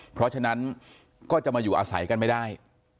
เพราะฉะนั้นก็จะมาอยู่อาศัยกันไม่ได้